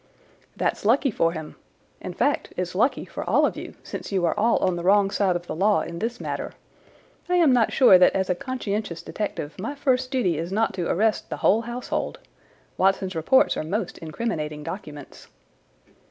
"That's lucky for him—in fact, it's lucky for all of you, since you are all on the wrong side of the law in this matter. I am not sure that as a conscientious detective my first duty is not to arrest the whole household. Watson's reports are most incriminating documents."